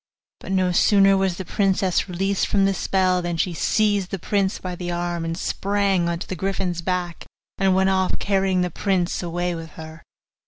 But no sooner was the princess released from the spell, than she seized the prince by the arm and sprang on to the griffin's back, and went off carrying the prince away with her.